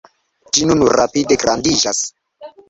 Ĝi nun rapide grandiĝas.